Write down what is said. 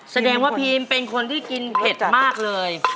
แสดงว่าพีมเป็นคนที่กินเผ็ดมากเลย